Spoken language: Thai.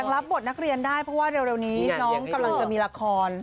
รับบทนักเรียนได้เพราะว่าเร็วนี้น้องกำลังจะมีละคร